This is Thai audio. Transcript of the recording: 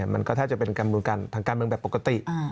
มันก็แทบจะเป็นกระบวนการทางการเมืองแบบปกติ